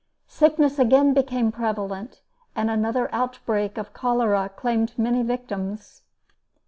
Sickness again became prevalent, and another outbreak of cholera claimed many victims.